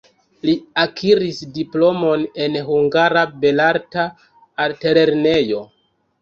Li akiris diplomon en Hungara Belarta Altlernejo.